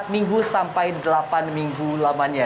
empat minggu sampai delapan minggu lamanya